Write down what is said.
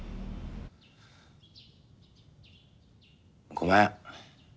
ごめん。